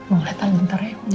mulai talenter ya